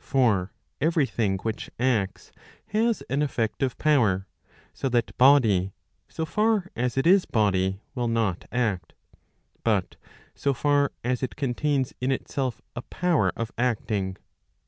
For every thing which acts has an effective power; so that body, so far as it is body, will not act, but so far as it contains in itself a power of acting.